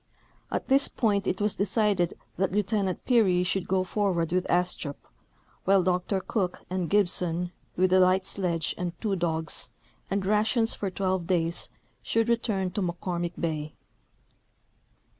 At this point it was decided that Lieutenant Peary should go forward with Astrup, Avhile Dr Cook and Gibson, with a light sledge and two dogs, and rations for twelve days, should return to JMcCormick bay.